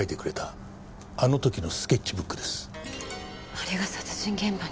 あれが殺人現場に。